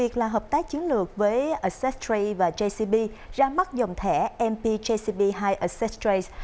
các chiến lược với accesstrade và jcb ra mắt dòng thẻ mp jcb hai accesstrade